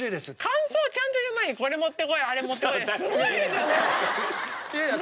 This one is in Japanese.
感想をちゃんと言う前にこれ持ってこいあれ持ってこいすごいですよね。